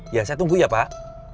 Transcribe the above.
ya saya tunggu ya pak